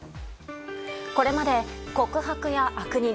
これまで「告白」や「悪人」